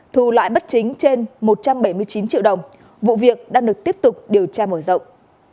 thù loại bắt chính trên một trăm bảy mươi chín triệu đồng vụ việc đang được tiếp tục điều tra mở rộng